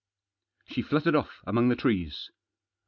She fluttered off among the trees.